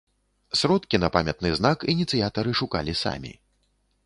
Сродкі на памятны знак ініцыятары шукалі самі.